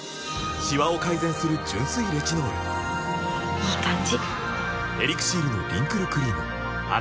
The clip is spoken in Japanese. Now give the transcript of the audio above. いい感じ！